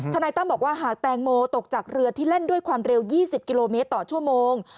นายตั้มบอกว่าหากแตงโมตกจากเรือที่เล่นด้วยความเร็ว๒๐กิโลเมตรต่อชั่วโมง